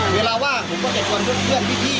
เวลาว่างผมก็จะชวนเพื่อนพี่